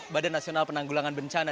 badan nasional penanggulangan bencana